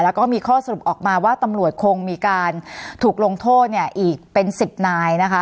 แล้วก็มีข้อสรุปออกมาว่าตำรวจคงมีการถูกลงโทษเนี่ยอีกเป็น๑๐นายนะคะ